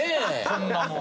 こんなもん。